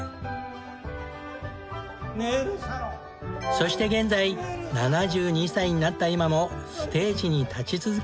そして現在７２歳になった今もステージに立ち続け。